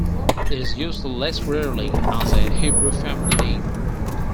It is used less rarely as a Hebrew family name.